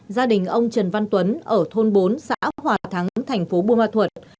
gia đình ông trần văn tuấn ở thôn bốn xã hòa thắng thành phố buôn ma thuật